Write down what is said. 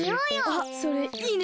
あっそれいいね！